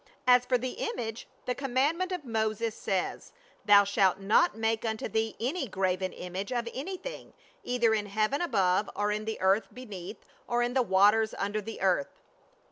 "As for the image, the commandment of Moses says, ' Thou shalt not make unto thee any graven image of anything, either in heaven above or in the earth be neath, or in the waters under the earth.'